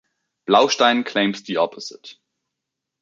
Blaustein claims the opposite.